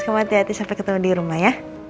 sama hati hati sampai ketemu di rumah ya